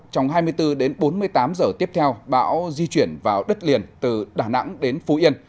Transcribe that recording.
trong hai mươi bốn đến bốn mươi tám giờ tiếp theo bão di chuyển vào đất liền từ đà nẵng đến phú yên